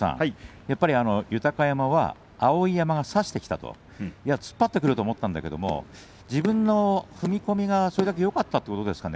豊山は碧山が差してきたと突っ張ってくると思ったんだけれど自分の踏み込みがそれだけよかったということですかね。